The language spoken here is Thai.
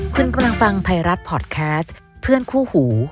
คุณกำลังฟังไทยรัฐพอร์ตแคสต์เพื่อนคู่หู